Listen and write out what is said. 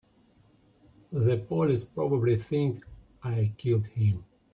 The police probably think I killed him.